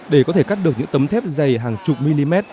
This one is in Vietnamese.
để có thể cắt được những tấm thép dày hàng chục mm